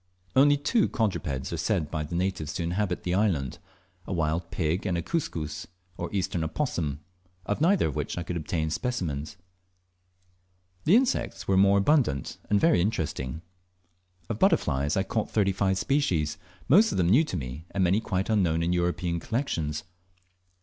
Only two quadrupeds are said by the natives to inhabit the island a wild pig and a Cuscus, or Eastern opossum, of neither of which could I obtain specimens. The insects were more abundant, and very interesting. Of butterflies I caught thirty five species, most of them new to me, and many quite unknown in European collections.